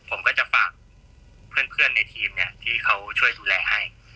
ผมก็จะฝากเพื่อนในทีมเนี่ยที่เขาช่วยดูแลให้